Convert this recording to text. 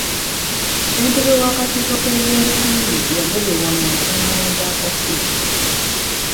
Ssentebe w'akakiiko k'ebyensimbi yagobebwa mu nkungaana z'akakiiko.